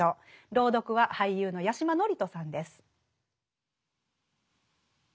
朗読は俳優の八嶋智人さんです。